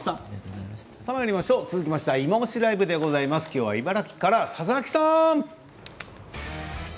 続きまして「いまオシ！ＬＩＶＥ」です。今日は茨城から佐々木さん。